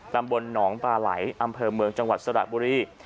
ตำบลหนองปลาไหลอำเภอเมืองจังหวัดสระบุรี